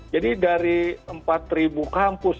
jadi dari empat kampus